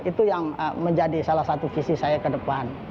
itu yang menjadi salah satu visi saya kedepan